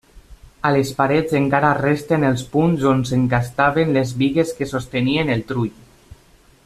A les parets encara resten els punts on s'encastaven les bigues que sostenien el trull.